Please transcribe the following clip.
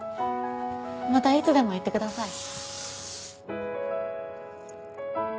またいつでも言ってください。